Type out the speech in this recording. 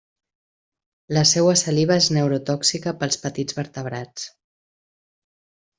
La seua saliva és neurotòxica pels petits vertebrats.